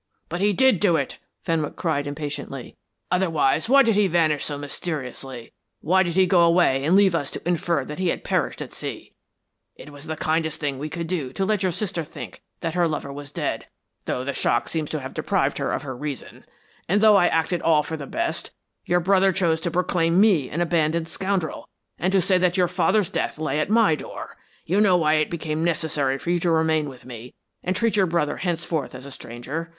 "But he did do it," Fenwick cried impatiently. "Otherwise why did he vanish so mysteriously? Why did he go away and leave us to infer that he had perished at sea? It was the kindest thing we could do to let your sister think that her lover was dead, though the shock seems to have deprived her of her reason; and, though I acted all for the best, your brother chose to proclaim me an abandoned scoundrel, and to say that your father's death lay at my door. You know why it became necessary for you to remain with me and treat your brother henceforth as a stranger.